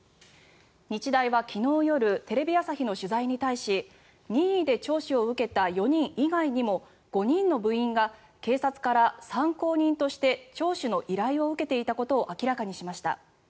日大は昨日夜テレビ朝日の取材に対し任意で聴取を受けた４人以外にも５人の部員が警察から参考人として聴取の依頼を受けていたことを明らかにしました。